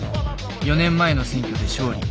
４年前の選挙で勝利。